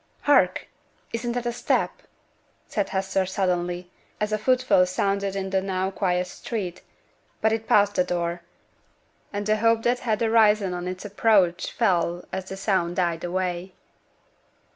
'Hark! isn't that a step?' said Hester suddenly, as a footfall sounded in the now quiet street; but it passed the door, and the hope that had arisen on its approach fell as the sound died away.